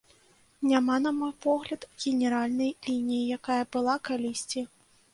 Няма, на мой погляд, генеральнай лініі, якая была калісьці.